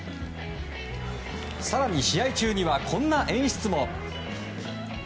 更に、試合中にはこんな演出も。